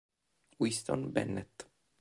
Winston Bennett